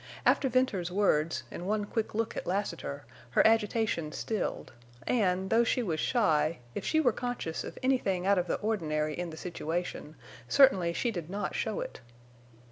After Venters's words and one quick look at Lassiter, her agitation stilled, and, though she was shy, if she were conscious of anything out of the ordinary in the situation, certainly she did not show it.